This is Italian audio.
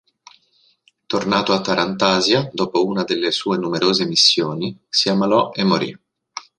Tornato a Tarantasia dopo una delle sue numerose missioni, si ammalò e morì.